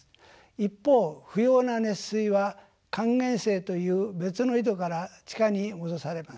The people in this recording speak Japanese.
一方不要な熱水は還元井という別の井戸から地下に戻されます。